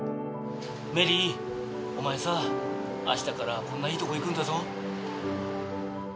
メリーお前さあしたからこんないいとこ行くんだぞ。